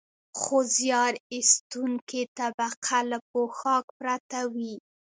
خو زیار ایستونکې طبقه له پوښاک پرته وي